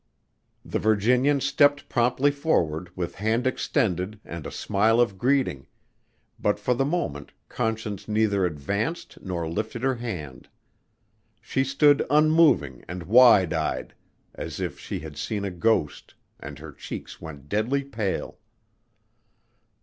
The Virginian stepped promptly forward with hand extended and a smile of greeting, but for the moment Conscience neither advanced nor lifted her hand. She stood unmoving and wide eyed as if she had seen a ghost and her cheeks went deadly pale.